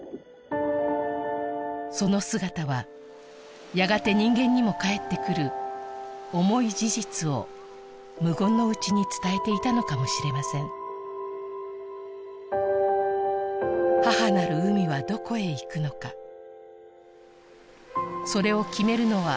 その姿はやがて人間にも返ってくる重い事実を無言のうちに伝えていたのかもしれません母なる海はどこへいくのかそれを決めるのは私たちです